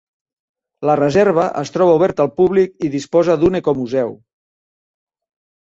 La reserva es troba oberta al públic i disposa d'un ecomuseu.